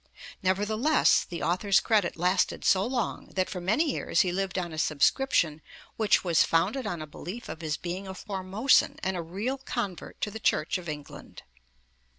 Nevertheless, the author's credit lasted so long, that for many years he lived on a subscription 'which was founded on a belief of his being a Formosan and a real convert to the Church of England' (p.